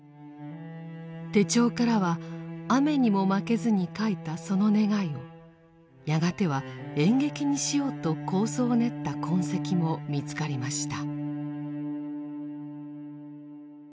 手帳からは「雨ニモマケズ」に書いたその願いをやがては演劇にしようと構想を練った痕跡も見つかりました。